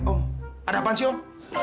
ya om ada apaan sih om